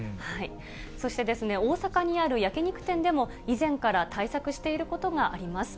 そして、大阪にある焼き肉店でも、以前から対策していることがあります。